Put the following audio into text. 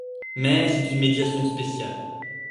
Mais c'est une méditation spéciale.